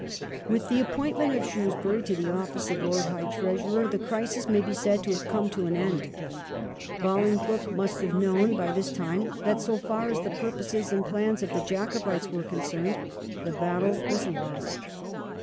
With the appointment of Shrewsbury to the office of Lord High Treasurer the crisis may be said to have come to an end. Bolingbroke must have known by this time that, so far as the purposes and plans of the Jacobites were concerned, the battle was lost.